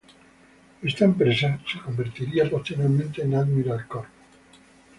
Esta empresa se convertiría posteriormente en Admiral Corp.